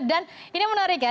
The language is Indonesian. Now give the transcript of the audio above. dan ini menarik ya